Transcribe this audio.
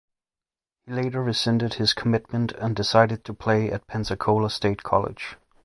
He later rescinded his commitment and decided to play at Pensacola State College.